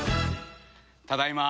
ただいま。